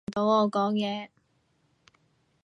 佢而家唔出聲扮聽唔到我講嘢